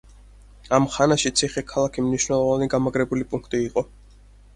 ამ ხანაში ციხე-ქალაქი მნიშვნელოვანი გამაგრებული პუნქტი იყო.